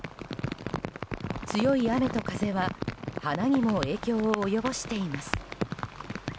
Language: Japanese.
強い雨と風は花にも影響を及ぼしています。